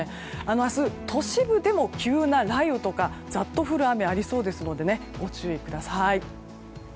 明日、都市部でも急な雷雨とかザッと降る雨がありそうですのでご注意ください。